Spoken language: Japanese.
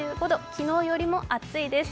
昨日よりも暑いです。